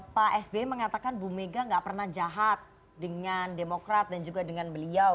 pak sby mengatakan bu mega gak pernah jahat dengan demokrat dan juga dengan beliau